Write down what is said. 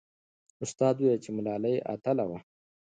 استاد وویل چې ملالۍ اتله وه.